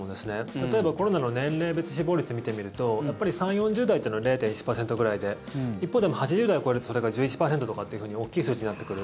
例えばコロナの年齢別死亡率で見てみるとやっぱり３０４０代って０．１％ぐらいで一方、８０代を超えるとそれが１１％とかっていうふうに大きい数字になってくる。